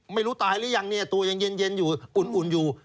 ไม่รู้ตายหรือยังเนี่ยตัวยังเย็นอยู่อุ่นอยู่